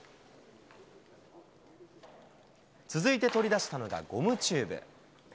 続いて取り出したのがゴムチューブ。